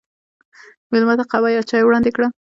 مېلمه ته قهوه یا چای وړاندې کړه.